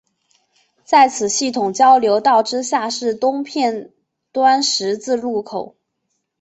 在此系统交流道之下是东片端十字路口。